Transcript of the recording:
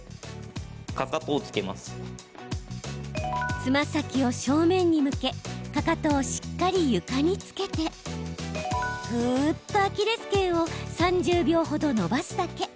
つま先を正面に向けかかとをしっかり床につけてぐーっとアキレスけんを３０秒ほど伸ばすだけ。